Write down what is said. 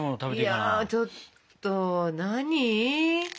いやちょっと何？